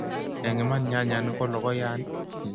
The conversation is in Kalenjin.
Eng' iman nyanyan ko lokoyan?